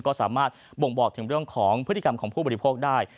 ก็สามารถบ่งบอกถึงเรื่องของพฤติกรรมของผู้บริโภคได้